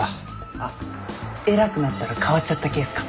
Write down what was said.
あっ偉くなったら変わっちゃった系っすか？